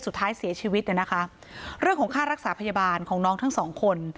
สุดท้ายเสียชีวิตเนี่ยนะคะเรื่องของค่ารักษาพยาบาลของน้องทั้งสองคน